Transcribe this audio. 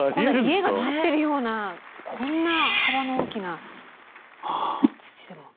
家が建ってるようなこんな幅の大きな土でも。